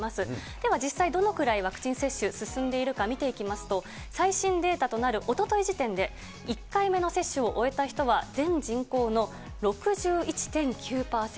では、実際どのくらいワクチン接種、進んでいるか見ていきますと、最新データとなるおととい時点で、１回目の接種を終えた人は全人口の６１．９％。